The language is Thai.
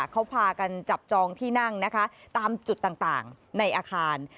เขาพากันจับจองที่นั่งนะคะตามจุดต่างในอาคาร